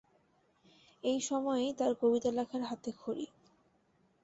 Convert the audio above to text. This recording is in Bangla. এই সময়েই তাঁর কবিতা লেখার হাতেখড়ি।